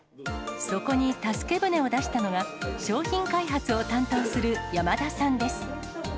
そこに助け舟を出したのが、商品開発を担当する山田さんです。